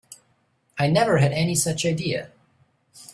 I never had any such idea.